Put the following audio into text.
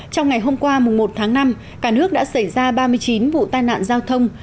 trong ngày hôm qua một tháng năm cả nước đã xảy ra ba mươi chín vụ tai nạn giao thông